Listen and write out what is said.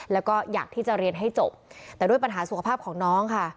แล้วก็อยากที่จะเรียนให้จบแต่ด้วยปัญหาสุขภาพของน้องค่ะ